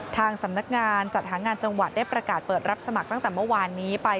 ทางสำนักงานจัดหางานจังหวัดได้ประกาศเปิดรับสมัครตั้งแต่เมื่อวานนี้ไป